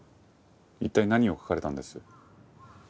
一体何を書かれたんです？